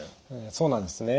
そうなんですね。